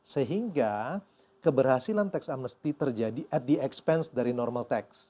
sehingga keberhasilan tax amnesty terjadi at the expense dari normal tax